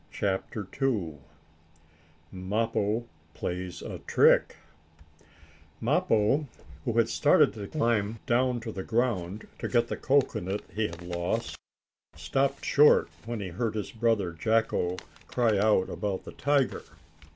CHAPTER II MAPPO PLAYS A TRICK Mappo, who had started to climb down to the ground, to get the cocoanut he had lost, stopped short when he heard his brother Jacko cry out about the tiger.